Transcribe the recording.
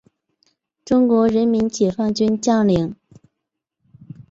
中国人民解放军将领。